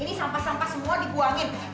ini sampah sampah semua dibuangin